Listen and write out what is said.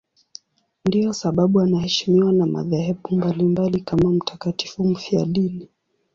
Ndiyo sababu anaheshimiwa na madhehebu mbalimbali kama mtakatifu mfiadini.